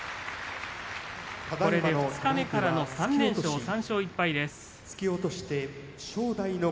これで二日目から３連勝３勝１敗です。